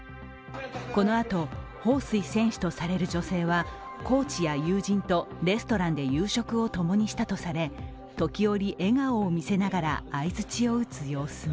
このあと彭帥選手とされる女性はコーチや友人とレストランで夕食を共にしたとされ、夕食を共にしたとされ、時折笑顔を店ながら相づちを打つ様子も。